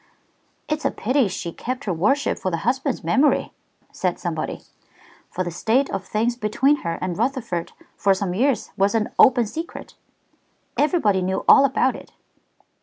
"It's a pity she kept her worship for the husband's memory," said somebody. "For the state of things between her and Rutherford for some years was an open secret. Everybody knew all about it."